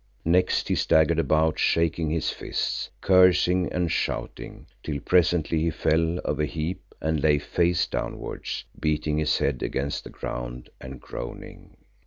Next he staggered about, shaking his fists, cursing and shouting, till presently he fell of a heap and lay face downwards, beating his head against the ground and groaning.